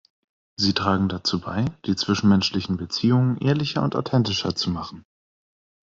Sie tragen dazu bei, die zwischenmenschlichen Beziehungen ehrlicher und authentischer zu machen.